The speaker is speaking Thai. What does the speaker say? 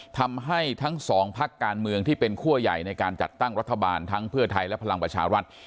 ทำให้ทั้งสองพักการเมืองที่เป็นคั่วใหญ่ในการจัดตั้งรัฐบาลทั้งเพื่อไทยและพลังประชารัฐ